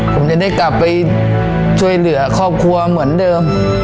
ผมจะได้กลับไปช่วยเหลือครอบครัวเหมือนเดิม